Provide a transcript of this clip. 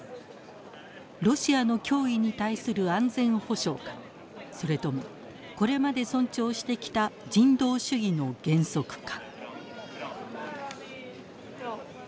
ロシアの脅威に対する安全保障かそれともこれまで尊重してきた人道主義の原則か。